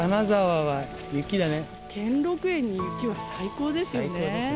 兼六園に雪は最高ですよね。